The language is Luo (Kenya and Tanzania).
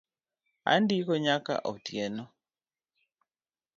Andiko nyaka otieno